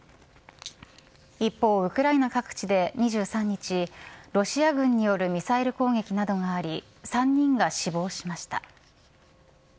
一方、ウクライナ各地で２３日ロシア軍によるミサイル攻撃などがあり３人が死亡しました。